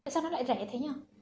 sao nó lại rẻ thế nhờ